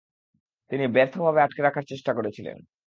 তিনি ব্যর্থভাবে আটকে রাখার চেষ্টা করেছিলেন।